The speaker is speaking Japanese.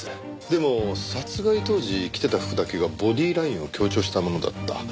でも殺害当時着てた服だけがボディーラインを強調したものだった。